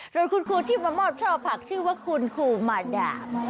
โดยคุณครูที่มามอบช่อผักชื่อว่าคุณครูมาดาม